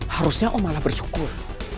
harusnya om malah bersyukur